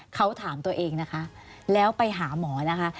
เขาถามตัวเองนะคะแล้วไปหาหมอนะคะ